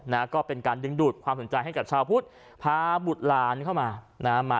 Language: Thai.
นะก็เป็นการดึงดูดความสนใจให้กับชาวพุทธพาบุตรหลานเข้ามานะฮะมา